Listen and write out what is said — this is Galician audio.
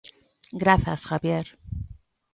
Grazas, Javier.